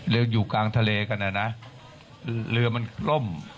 อยู่กลางทะเลกันนะนะเรือมันกล้ม